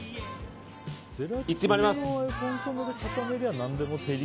行ってまいります。